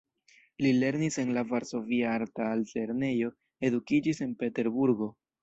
Li lernis en la Varsovia Arta Altlernejo, edukiĝis en Peterburgo.